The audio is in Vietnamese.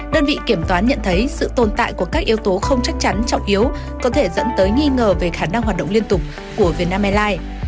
đơn vị kiểm toán nhận thấy sự tồn tại của các yếu tố không chắc chắn trọng yếu có thể dẫn tới nghi ngờ về khả năng hoạt động liên tục của vietnam airlines